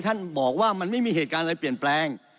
ท่านบอกว่ามันไม่มีเหตุการณ์อะไรเปลี่ยนแปลง